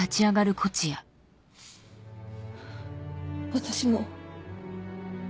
私も。